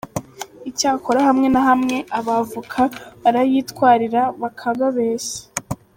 Icyakora hamwe na hamwe abavoka barayitwarira bakababeshya.